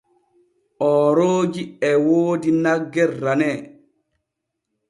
Oorooji e woodi nagge ranee.